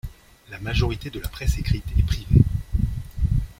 La majorité de la presse écrite est privée.